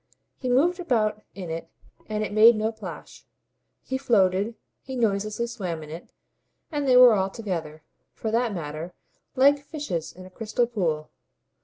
He moved about in it and it made no plash; he floated, he noiselessly swam in it, and they were all together, for that matter, like fishes in a crystal pool.